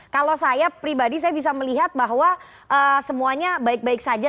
kalau saya pribadi saya bisa melihat bahwa semuanya baik baik saja